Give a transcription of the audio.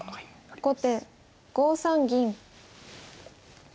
後手５三銀。